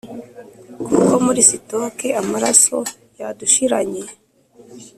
kuko muri sitoke amaraso yadushiranye.